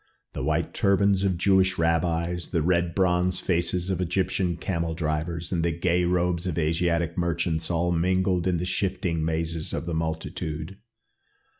The white turbans of Jewish rabbis, the red bronze faces of Egyptian camel drivers, and the gay robes of Asiatic merchants all mingled in the shifting mazes of the multitude.